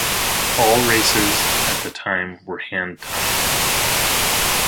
All races at the time where hand timed.